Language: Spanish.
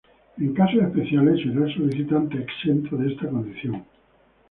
En casos especiales será el solicitante exento de esta condición.